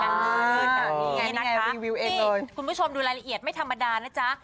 นี่ไงนะคะรีวิวเองคุณผู้ชมดูรายละเอียดไม่ธรรมดานะจ๊ะ